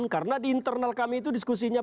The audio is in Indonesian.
karena di internal kami itu diskusinya